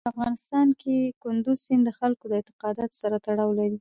په افغانستان کې کندز سیند د خلکو له اعتقاداتو سره تړاو لري.